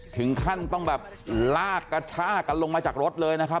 ถึงขั้นต้องแบบลากกระชากกันลงมาจากรถเลยนะครับ